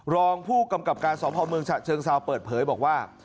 รองผู้กำกับการสพเมืองฉะเชิงเซาเปิดเผยบอกว่า